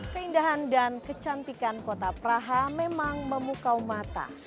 keindahan dan kecantikan kota praha memang memukau mata